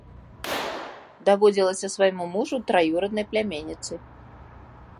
Даводзілася свайму мужу траюраднай пляменніцай.